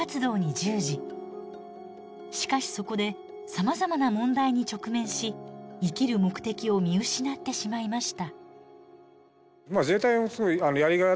しかしそこでさまざまな問題に直面し生きる目的を見失ってしまいました。